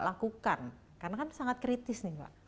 lakukan karena kan sangat kritis nih pak